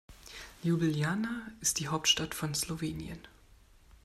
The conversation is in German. Ljubljana ist die Hauptstadt von Slowenien.